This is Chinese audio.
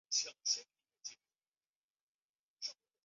府右街是位于中国北京市西城区中部的一条道路。